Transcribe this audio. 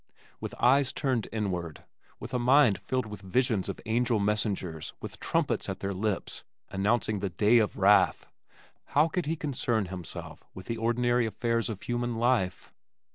With eyes turned inward, with a mind filled with visions of angel messengers with trumpets at their lips announcing "The Day of Wrath," how could he concern himself with the ordinary affairs of human life?